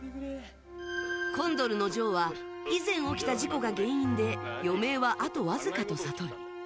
コンドルのジョーは以前、起きた事故が原因で余命はあとわずかと悟る。